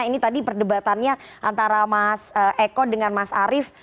ini tadi perdebatannya antara mas eko dengan mas arief